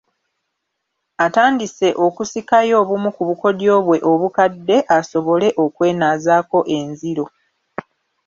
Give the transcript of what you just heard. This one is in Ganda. Atandise okusikayo obumu ku bukodyo bwe obukadde asobole okwenaazaako enziro